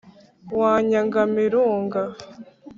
Wanyaga Mirunga